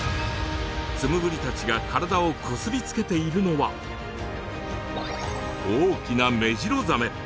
ツムブリたちが体をこすりつけているのは大きなメジロザメ。